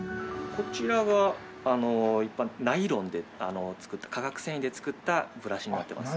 こちらがナイロンで作った化学繊維で作ったブラシになってます。